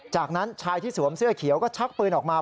จากนั้นชายที่สวมเสื้อเขียวก็ชักปืนออกมา